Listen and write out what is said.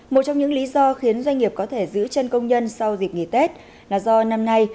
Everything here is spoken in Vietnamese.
một trong những lý do khiến doanh nghiệp có thể giữ chân công nhân sau dịp nghỉ tết là do năm nay